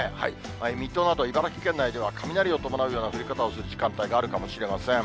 水戸など茨城県内では、雷を伴うような降り方をする時間帯があるかもしれません。